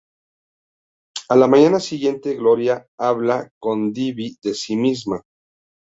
A la mañana siguiente Gloria habla con Davey de sí misma.